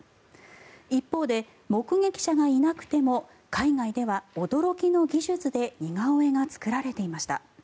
一方で目撃者がいなくても海外では驚きの技術で似顔絵が作られていました。